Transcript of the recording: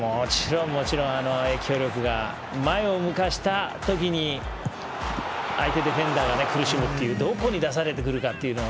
もちろん影響力が前を向かした時に相手ディフェンダーが苦しむというところに出されてくるかというのが。